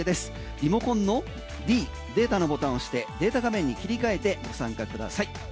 リモコンのＤデータのボタン押してデータ画面に切り替えてご参加ください。